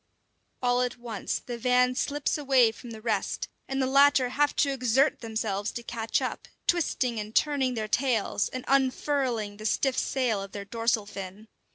All at once the van slips away from the rest, and the latter have to exert themselves to catch up, twisting and turning their tails, and unfurling the stiff sail of their dorsal fin.